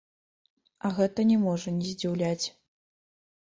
А гэта не можа не здзіўляць.